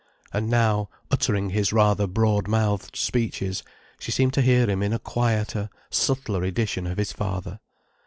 And now, uttering his rather broad mouthed speeches, she seemed to hear in him a quieter, subtler edition of his father.